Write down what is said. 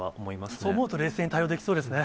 そう思うとね、一斉に対応できそうですね。